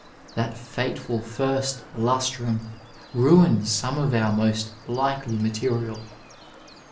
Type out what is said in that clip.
That fateful first lustrum ruins some ci our most likely material.